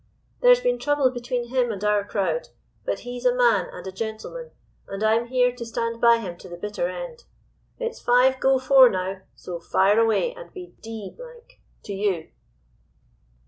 There's been trouble between him and our crowd; but he's a man and a gentleman, and I'm here to stand by him to the bitter end. It's five go four now, so fire away, and be d—d to you!